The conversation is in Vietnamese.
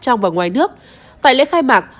trong và ngoài nước tại lễ khai mạc